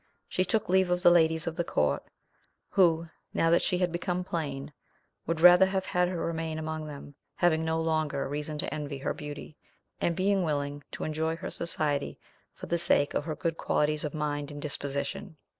She took leave of the ladies of the court, who, now that she had become plain, would rather have had her remain among them, having no longer reason to envy her beauty, and being willing to enjoy her society for the sake of her good qualities of mind and disposition.